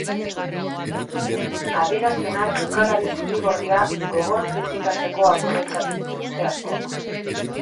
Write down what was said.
Adierazpenak jokalari zuri-gorria gogor kritikatzeko aprobetxatu dituzte askok.